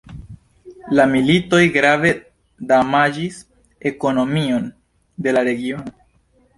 La militoj grave damaĝis ekonomion de la regiono.